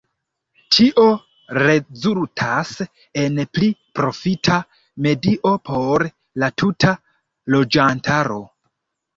Ĉio rezultas en pli profita medio por la tuta loĝantaro.